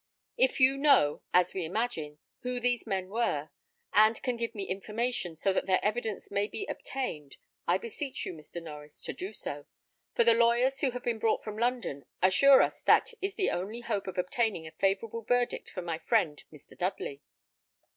If you know, as we imagine, who these men were, and can give me information, so that their evidence may be obtained, I beseech you, Mr. Norries, to do so; for the lawyers who have been brought from London assure us that is the only hope of obtaining a favourable verdict for my friend Mr. Dudley."